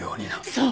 そう！